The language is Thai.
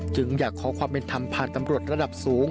จึงอยากขอความเป็นธรรมผ่านตำรวจระดับสูง